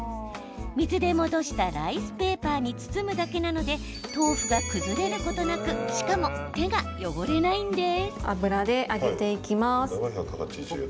水で戻したライスペーパーに包むだけなので豆腐が崩れることなくしかも、手が汚れないんです。